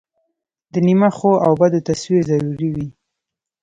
د نیمه ښو او بدو تصویر ضروري وي.